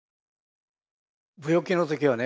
病気の時はね